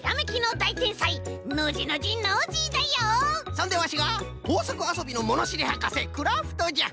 そんでワシがこうさくあそびのものしりはかせクラフトじゃ！